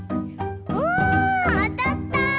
おあたった！